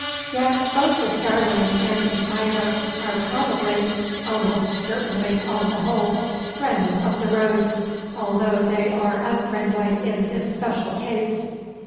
Yet both the starling and the spider are probably, almost certainly on the whole, friends of the Rose, although they are unfriendly in this special case.